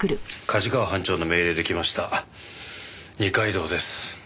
加治川班長の命令で来ました二階堂です。